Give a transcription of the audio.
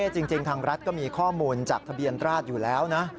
จริงทางรัฐก็มีข้อมูลจากทะเบียนราชอยู่แล้วนะ